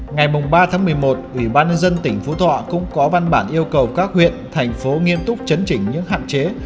ngày ba một mươi một ủy ban nhân dân tỉnh phú thọ cũng có văn bản yêu cầu các huyện thành phố nghiêm túc chấn chỉnh những hạn chế